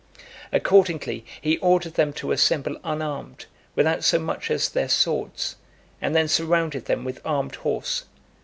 Accordingly, he ordered them to assemble unarmed, without so much as their swords; and then surrounded them with armed horse.